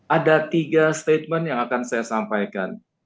ada tiga statement yang akan saya sampaikan